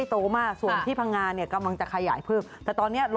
ก็เอาที่ลงไปเลี้ยงเนี่ย